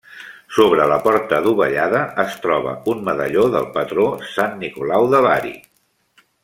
Sobre la porta adovellada es troba un medalló del patró Sant Nicolau de Bari.